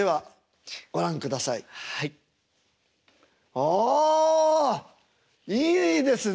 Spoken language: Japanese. あっいいですね！